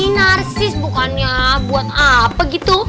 sinarsis bukannya buat apa gitu